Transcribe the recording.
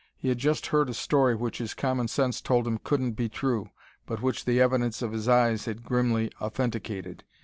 He had just heard a story which his common sense told him couldn't be true, but which the evidence of his eyes had grimly authenticated.